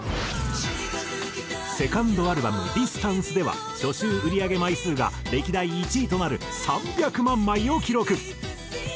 セカンドアルバム『Ｄｉｓｔａｎｃｅ』では初週売り上げ枚数が歴代１位となる３００万枚を記録。